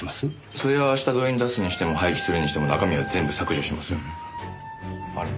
そりゃ下取りに出すにしても廃棄するにしても中身は全部削除しますよね。